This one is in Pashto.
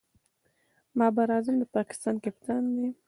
بابر اعظم د پاکستان کپتان دئ.